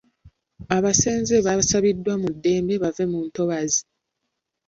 Abasenze basabiddwa mu ddembe bave mu ntobazi.